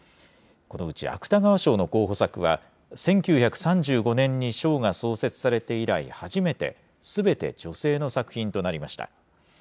このうち芥川賞の候補作は、１９３５年に賞が創設されて以来、初めて、すべて女性の作品となりました。